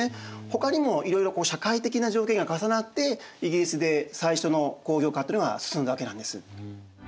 ほかにもいろいろ社会的な条件が重なってイギリスで最初の工業化っていうのが進んだわけなんです。